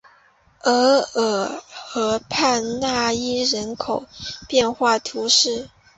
厄尔河畔讷伊人口变化图示